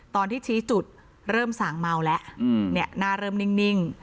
ตอนที่ชี้จุดเริ่มสั่งเมาแล้วหน้าเริ่มนิ่ง